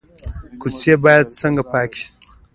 کوڅې باید څنګه پاکې شي؟